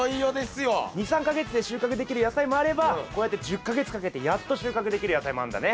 ２３か月で収穫できる野菜もあればこうやって１０か月かけてやっと収穫できる野菜もあるんだね。